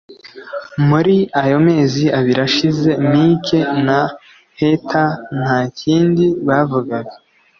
muri ayo mezi abiri ashize mike na heather nta kindi bavugaga